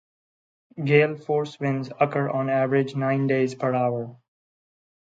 Gale-force winds occur on average nine days per year.